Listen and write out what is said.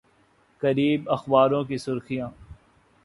قریب اخباروں کی سرخیاں